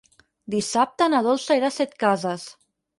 Dissabte na Dolça irà a Setcases.